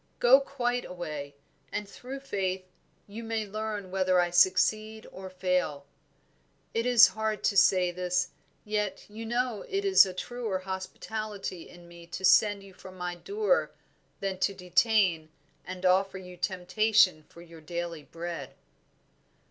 Go quite away, and through Faith you may learn whether I succeed or fail. It is hard to say this, yet you know it is a truer hospitality in me to send you from my door than to detain and offer you temptation for your daily bread."